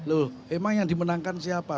loh emang yang dimenangkan siapa